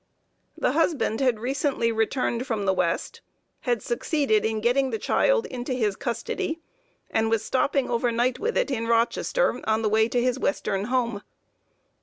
The husband had recently returned from the west, had succeeded in getting the child into his custody, and was stopping over night with it in Rochester on the way to his western home.